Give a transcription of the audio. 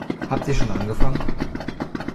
Habt ihr schon angefangen?